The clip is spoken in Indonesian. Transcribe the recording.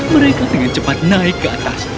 mereka dengan cepat naik ke atas